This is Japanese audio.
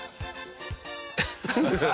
ハハハハ！